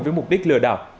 với mục đích lừa đảo